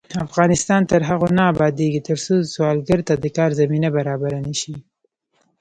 افغانستان تر هغو نه ابادیږي، ترڅو سوالګر ته د کار زمینه برابره نشي.